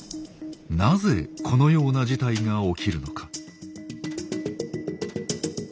なぜこのような事態が起きるのか？